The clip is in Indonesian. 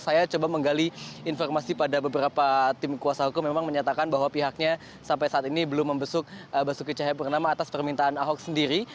saya coba menggali informasi pada beberapa tim kuasa hukum memang menyatakan bahwa pihaknya sampai saat ini belum membesuk basuki cahayapurnama atas permintaan ahok sendiri